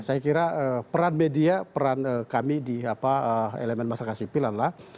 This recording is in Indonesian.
saya kira peran media peran kami di elemen masyarakat sipil adalah